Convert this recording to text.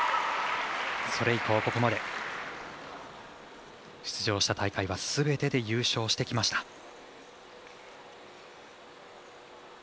それ以降、ここまで出場した大会はすべてで優勝してきました。